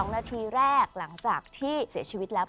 ๒นาทีแรกหลังจากที่เสียชีวิตแล้ว